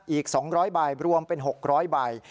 อีก๒๐๐ใบรวมเป็น๖๐๐ใบ